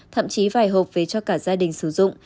thậm chí vài hộp về cho cả gia đình sử dụng